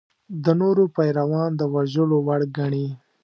د نورو پیروان د وژلو وړ ګڼي.